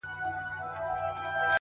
بس ده ژړا مه كوه مړ به مي كړې’